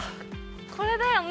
これだよね。